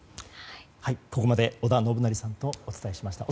ここまで織田信成さんとお伝えしました。